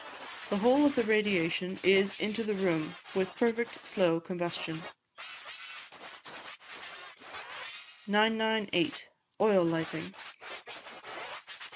The whole of the radiation is into the room, with perfect slow combustion." 998. Oil Lighting.